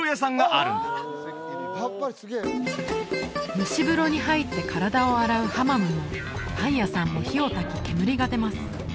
蒸し風呂に入って体を洗うハマムもパン屋さんも火をたき煙が出ます